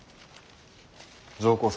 上皇様